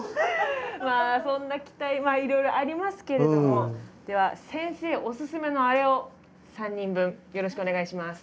まあそんな期待いろいろありますけれどもでは先生お勧めのアレを３人分よろしくお願いします。